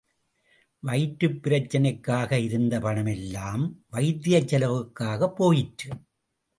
வயிற்றுப் பிரச்சினைக்காக இருந்த பணமெல்லாம், வைத்திய செலவுக்காகப் போயிற்று.